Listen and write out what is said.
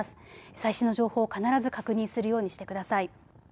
最新の情報を必ず確認するようにしてください。